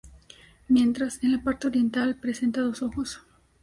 Mientras, en la parte oriental presenta dos ojos.